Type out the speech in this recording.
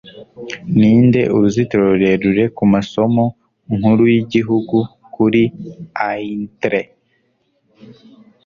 Ninde Uruzitiro Rurerure Kumasomo Nkuru yigihugu kuri Aintree?